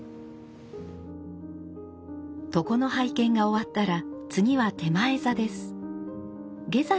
床の拝見が終わったら次は点前座です。